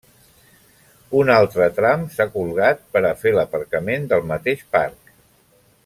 Un altre tram s'ha colgat per a fer l'aparcament del mateix parc.